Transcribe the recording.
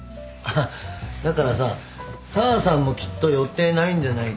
だからさ紗和さんもきっと予定ないんじゃないかな。